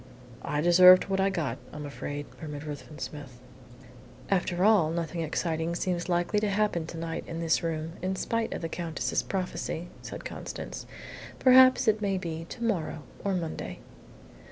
"I deserved what I got, I'm afraid," murmured Ruthven Smith. "After all, nothing exciting seems likely to happen to night in this room, in spite of the Countess's prophecy," said Constance. "Perhaps it may be to morrow or Monday."